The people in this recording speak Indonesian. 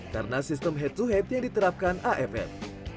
karena sistem head to head yang diterapkan afm